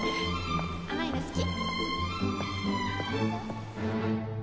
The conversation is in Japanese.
甘いの好き？